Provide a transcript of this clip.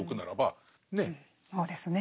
そうですねえ。